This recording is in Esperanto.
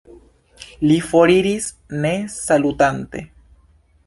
Li foriris, ne salutante.